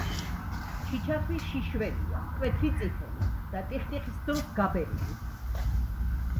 ჩიჩახვი შიშველია, მკვეთრი წითელი და ტიხტიხის დროს გაბერილი.